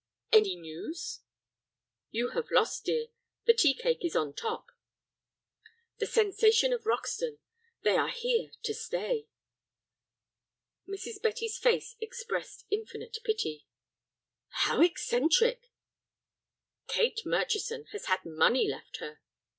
"Any news?" "You have lost, dear. The tea cake is on top. The sensation of Roxton. They are here to stay." Mrs. Betty's face expressed infinite pity. "How eccentric!" "Kate Murchison has had money left her."